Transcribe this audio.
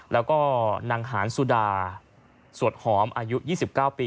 แล้วก็นางหานสุดาสวดหอมอายุ๒๙ปี